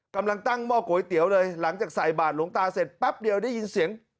กำลังตั้งหม้อก๋วยเตี๋ยวเลยหลังจากใส่บาทหลวงตาเสร็จแป๊บเดียวได้ยินเสียง